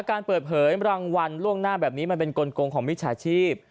การเปิดเผยรางวัลล่วงหน้าแบบนี้มันเป็นกลงของมิจฉาชีพ